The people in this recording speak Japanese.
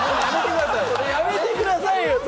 やめてくださいよ！